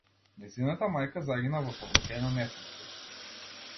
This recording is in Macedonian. Нејзината мајка загина во сообраќајна несреќа.